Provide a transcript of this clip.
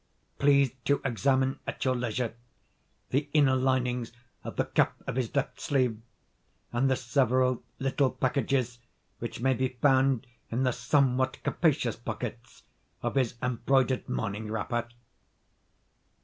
Please to examine, at your leisure, the inner linings of the cuff of his left sleeve, and the several little packages which may be found in the somewhat capacious pockets of his embroidered morning wrapper."